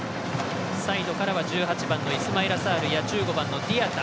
サイドからは１８番イスマイラ・サールや１５番のディアタ。